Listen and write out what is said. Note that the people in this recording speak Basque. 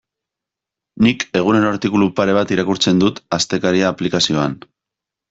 Nik egunero artikulu pare bat irakurtzen dut Astekaria aplikazioan.